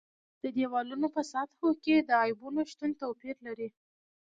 د دېوالونو په سطحو کې د عیبونو شتون توپیر لري.